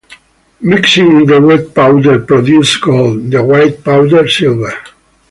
Mixing in the red powder produced gold; the white powder, silver.